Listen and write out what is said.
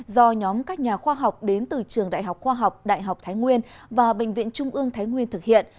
do nhóm các nhà khoa học đến từ trường đại học khoa học đại học thái nguyên và bệnh viện trung ương thái nguyên thực hiện